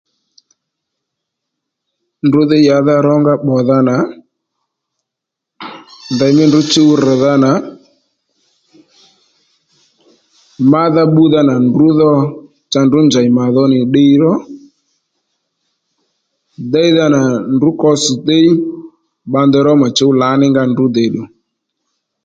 Ndrǔ dhí yǎdha rónga pbòdha nà ndèymí ndrǔ chuw rr̀dha nà mádha bbúdha nà ndrǔ dho cha ndrǔ njèy màdho nì ddiy ró déydha nà ndrǔ kotss̀-téy bba ndey ró mà chǔ lǎnínga ndrǔ dèddù